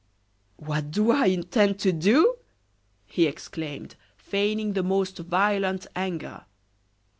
"What do I intend to do?" he exclaimed, feigning the most violent anger.